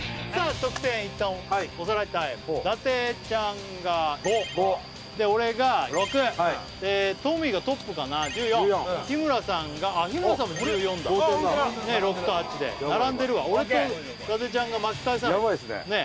得点一旦おさらいタイム伊達ちゃんが５で俺が６ええトミーがトップかな１４日村さんがあっ日村さんも１４だ６と８で並んでるわ俺と伊達ちゃんが巻き返さないとやばいですね